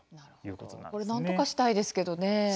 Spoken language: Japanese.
これなんとかしたいですけどね。